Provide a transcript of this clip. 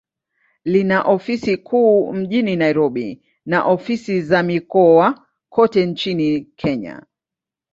Lina ofisi kuu mjini Nairobi, na ofisi za mikoa kote nchini Kenya.